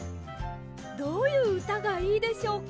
どういううたがいいでしょうか？